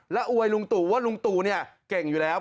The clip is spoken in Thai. และอวยลุงตู่ว่าลุงตู่เนี่ยเก่งอยู่แล้ว